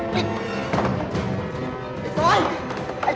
จัดเต็มให้เลย